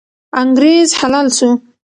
انګریز حلال سو.